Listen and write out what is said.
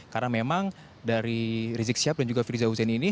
karena memang dari rizik siap dan juga firdzau husein ini